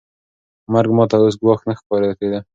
مرګ ما ته اوس ګواښ نه ښکاره کېده.